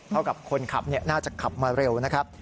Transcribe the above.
กับคนขับน่าจะขับมาเร็วนะครับ